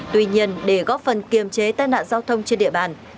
tuy nhiên để góp phần kiềm chế tai nạn giao thông trên địa bàn